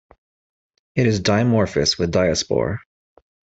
It is dimorphous with diaspore.